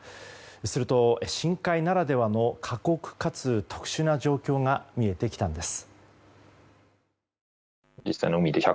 すると、深海ならではの過酷かつ特殊な状況が見えてきたんです。